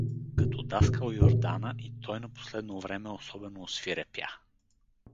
Като даскал Юрдана и той на последно време особено освирепя.